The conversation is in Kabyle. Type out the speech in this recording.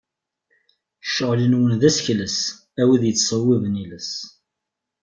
Ccɣel-nwen d asekles, a wid yettṣewwiben iles.